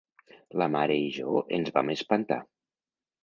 La mare i jo ens vam espantar.